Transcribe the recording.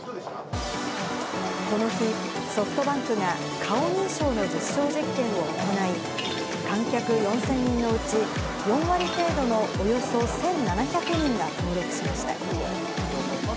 この日、ソフトバンクが顔認証の実証実験を行い、観客４０００人のうち、４割程度のおよそ１７００人が登録しました。